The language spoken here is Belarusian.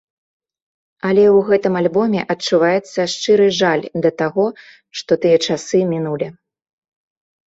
Але ў гэтым альбоме адчуваецца шчыры жаль да таго, што тыя часы мінулі.